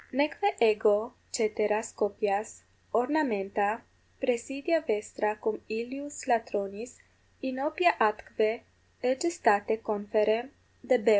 Neque ego ceteras copias, ornamenta, praesidia vestra cum illius latronis inopia atque egestate conferre debeo.